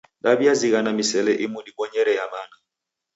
Daw'iazighana misele imu dibonyere ya mana.